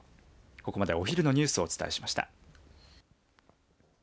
ここまで、お昼のニュースをお伝えしました。